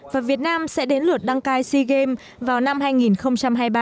và việt nam sẽ đến lượt đăng cai sea games vào năm hai nghìn hai mươi ba